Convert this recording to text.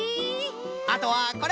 あとはこれ！